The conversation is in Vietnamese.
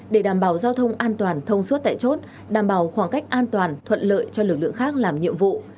để đảm bảo giao thông an toàn thông suốt tại chốt đảm bảo khoảng cách an toàn thuận lợi cho lực lượng khác làm nhiệm vụ